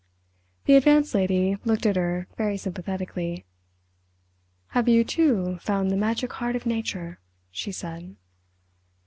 The Advanced Lady looked at her very sympathetically. "Have you, too, found the magic heart of Nature?" she said.